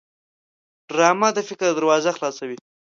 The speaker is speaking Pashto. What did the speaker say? ډرامه د فکر دروازه خلاصوي